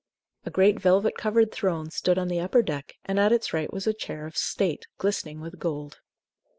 A great velvet covered throne stood on the upper deck, and at its right was a chair of state, glistening with gold.